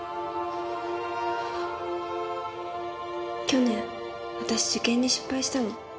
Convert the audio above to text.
去年私受験に失敗したの。